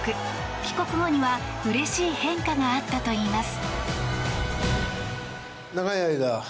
帰国後にはうれしい変化があったといいます。